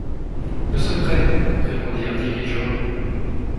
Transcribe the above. Nous sommes prêts, répondirent Dick et Joe.